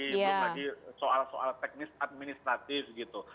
belum lagi soal soal teknis administratif gitu